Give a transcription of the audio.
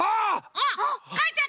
あっかいてあったの？